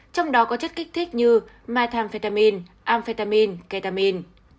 trong đó có chất kích thích như methamphetamine amphetamine ketamine